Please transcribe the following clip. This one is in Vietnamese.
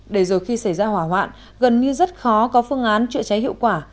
để rồi khi xảy ra hỏa hoạn gần như rất khó có phương án chữa cháy hiệu quả